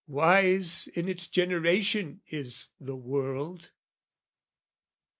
Wise in its generation is the world.